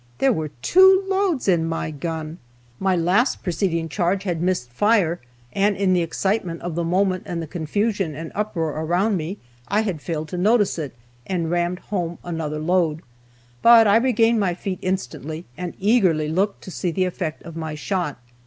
There were two loads in my gun! My last preceding charge had missed fire, and in the excitement of the moment and the confusion and uproar around me, I had failed to notice it, and rammed home another load. But I regained my feet instantly, and eagerly looked to see the effect of my shot.